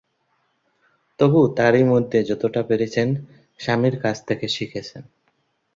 তবু তারই মধ্যে যতটা পেরেছেন স্বামীর কাছ থেকে শিখেছেন।